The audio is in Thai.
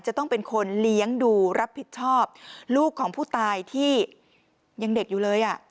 จะต้องเป็นคนเลี้ยงดูรับผิดชอบลูกของผู้ตายที่ยังเด็กอยู่เลย